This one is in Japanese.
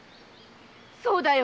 そうだよ。